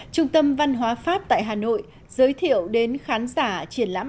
trung tâm văn hóa pháp tại hà nội giới thiệu đến khán giả triển lãm